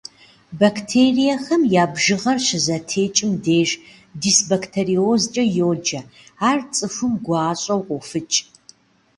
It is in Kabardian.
Бактериехэм я бжыгъэр щызэтекӏым деж дисбактериозкӏэ йоджэ, ар цӏыхум гуащӏэу къофыкӏ.